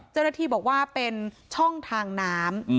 เจ้าหน้าที่บอกว่าเป็นช่องทางน้ำ